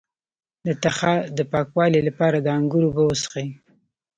د تخه د پاکوالي لپاره د انګور اوبه وڅښئ